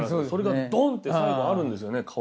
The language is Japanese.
それがドンって最後あるんですよね